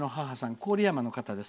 郡山の方です。